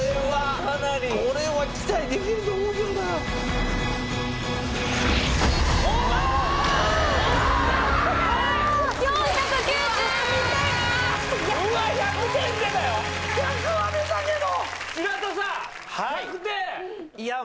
はい。